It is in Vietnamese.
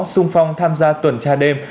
sung phong tham gia tuần tra đêm